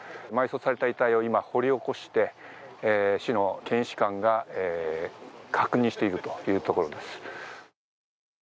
埋葬された遺体を今、掘り起こして市の検視官が確認しているというところです。